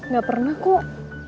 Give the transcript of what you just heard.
gak pernah kok